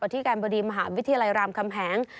ที่การบดีมหาวิทยาลัยรามคำแหง